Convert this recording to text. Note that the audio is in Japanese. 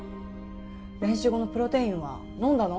練習後のプロテインは飲んだの？